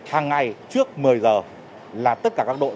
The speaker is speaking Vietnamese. hàng ngày trước một mươi giờ là tất cả các đội